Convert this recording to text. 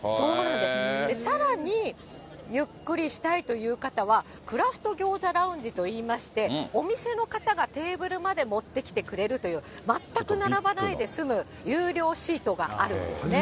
さらに、ゆっくりしたいという方は、クラフト餃子ラウンジといいまして、お店の方がテーブルまで持ってきてくれるという、全く並ばないで済む有料シートがあるんですね。